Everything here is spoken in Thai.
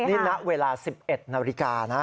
นี่ณเวลา๑๑นาฬิกานะ